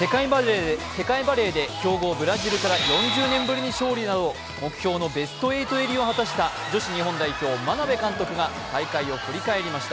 世界バレーで強豪・ブラジルから４０年ぶりに勝利など目標のベスト８入りを果たした女子日本代表・眞鍋監督が大会を振り返りました。